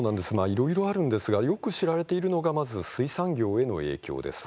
いろいろあるんですがよく知られているのがまず、水産業への影響です。